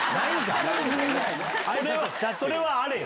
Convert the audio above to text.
それはあれよ。